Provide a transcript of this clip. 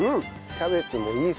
キャベツもいいっすね。